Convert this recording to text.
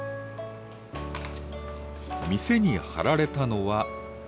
店に貼られたのは。